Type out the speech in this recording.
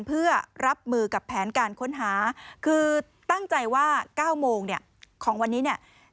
เพื่อรับมือกับแผนการค้นหาคือตั้งใจว่า๙โมงเนี่ยของวันนี้เนี่ย